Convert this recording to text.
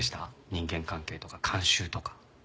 人間関係とか慣習とか。